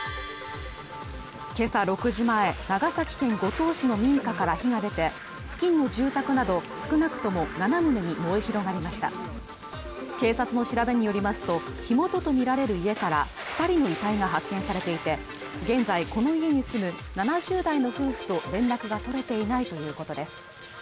けさ６時前長崎県五島市の民家から火が出て付近の住宅など少なくとも７棟に燃え広がりました警察の調べによりますと火元とみられる家から二人の遺体が発見されていて現在この家に住む７０代の夫婦と連絡が取れていないということです